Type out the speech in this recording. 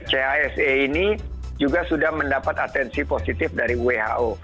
chse ini juga sudah mendapat atensi positif dari who